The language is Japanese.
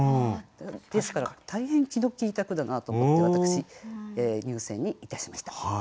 ですから大変気の利いた句だなと思って私入選にいたしました。